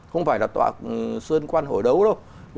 không phải là tọa sơn quan hồi đấu đâu